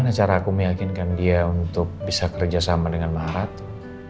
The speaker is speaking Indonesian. gimana cara aku meyakinkan dia untuk bisa kerja sama dengan maharatu